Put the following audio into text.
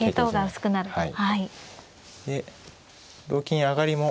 はい。